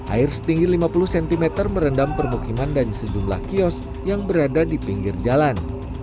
air setinggi lima puluh cm merendam permukiman dan sejumlah kios yang berada di pinggir jalan